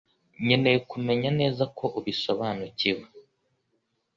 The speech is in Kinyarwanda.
Nkeneye kumenya neza ko ubisobanukiwe.